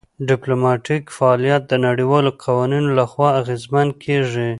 ډیپلوماتیک فعالیت د نړیوالو قوانینو لخوا اغیزمن کیږي